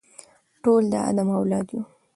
ټول د آدم اولاد یو.